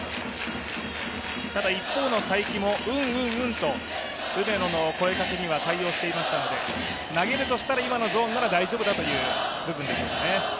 ただ一方の才木もうんうんうんと、梅野の声かけには対応していましたので、投げるとしたら、今のゾーンなら大丈夫だという部分ですかね。